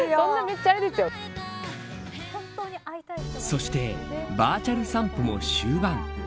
そしてバーチャル散歩も終盤。